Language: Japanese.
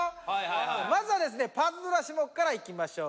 まずはですねパズドラ種目からいきましょう。